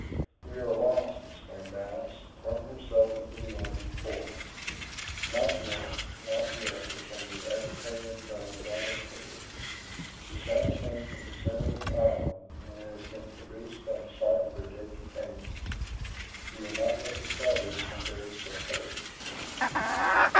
"We are lost!" exclaimed Alice, throwing herself into the arms of Cora. "Not yet, not yet," returned the agitated but undaunted Heyward: "the sound came from the center of the island, and it has been produced by the sight of their dead companions. We are not yet discovered, and there is still hope."